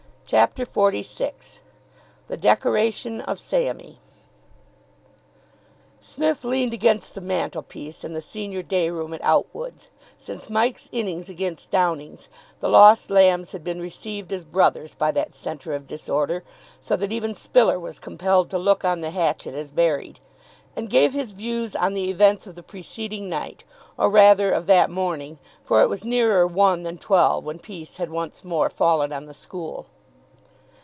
CHAPTER XLVI THE DECORATION OF SAMMY Smith leaned against the mantelpiece in the senior day room at Outwood's since Mike's innings against Downing's the Lost Lambs had been received as brothers by that centre of disorder, so that even Spiller was compelled to look on the hatchet as buried and gave his views on the events of the preceding night, or, rather, of that morning, for it was nearer one than twelve when peace had once more fallen on the school.